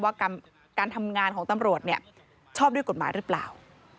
ว่าการทำงานของตำรวจชอบด้วยกฎหมายหรือเปล่า